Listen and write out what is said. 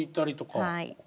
はい。